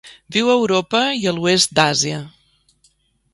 Viu a Europa i a l'oest d'Àsia.